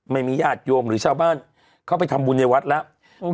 ไม่มีญาติโยมหรือชาวบ้านเข้าไปทำบุญในวัดแล้ว